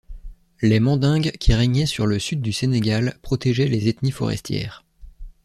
Les Mandingues qui régnaient sur le sud du Sénégal protégeaient les ethnies forestières.